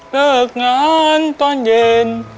เลิกงานตอนเย็น